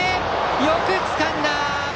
よくつかんだ！